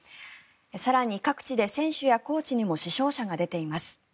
更に、各地で選手やコーチにも死傷者が出ています。